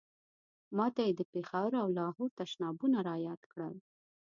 ما ته یې د پېښور او لاهور تشنابونه را یاد کړل.